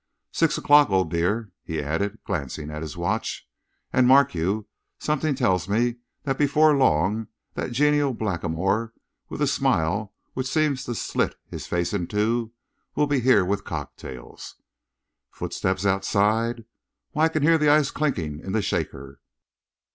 Six o'clock, old dear," he added, glancing at his watch, "and mark you, something tells me that before long that genial blackamoor, with the smile which seems to slit his face in two, will be here with cocktails. Footsteps outside! Why, I can hear the ice chinking in the shaker!"